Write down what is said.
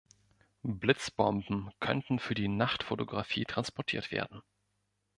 Blitzbomben könnten für die Nachtfotografie transportiert werden.